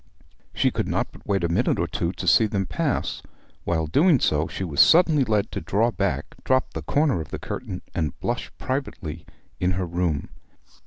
She could not but wait a minute or two to see them pass. While doing so she was suddenly led to draw back, drop the corner of the curtain, and blush privately in her room.